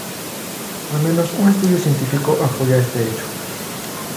Al menos un estudio científico apoya este hecho.